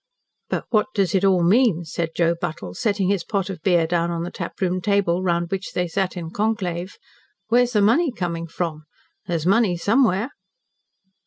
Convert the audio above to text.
"But what does it all mean?" said Joe Buttle, setting his pot of beer down on the taproom table, round which they sat in conclave. "Where's the money coming from? There's money somewhere."